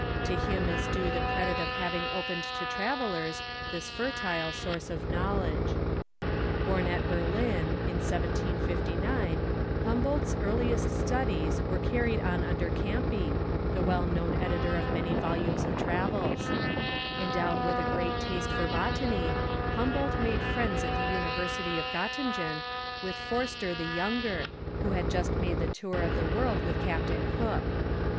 To him is due the credit of having opened to travellers this fertile source of knowledge. [Illustration: Portrait of Alex. de Humboldt. (Fac simile of early engraving.)] Born at Berlin, in 1759, Humboldt's earliest studies were carried on under Campe, the well known editor of many volumes of travels. Endowed with a great taste for botany, Humboldt made friends at the university of Göttingen with Forster the younger, who had just made the tour of the world with Captain Cook.